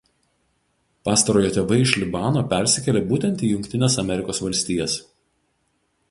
Pastarojo tėvai iš Libano persikėlė būtent į Jungtines Amerikos Valstijas.